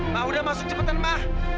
ma udah masuk cepetan ma